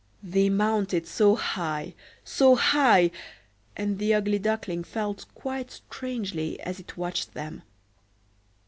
They mounted so high, so high! and the ugly Duckling felt quite strangely as it watched them.